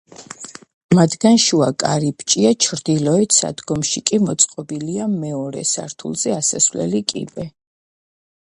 მათგან შუა კარიბჭეა, ჩრდილოეთ სადგომში კი მოწყობილია მეორე სართულზე ასასვლელი კიბე.